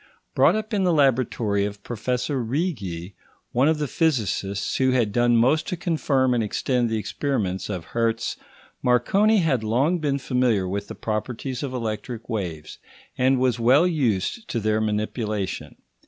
Brought up in the laboratory of Professor Righi, one of the physicists who had done most to confirm and extend the experiments of Hertz, Marconi had long been familiar with the properties of electric waves, and was well used to their manipulation.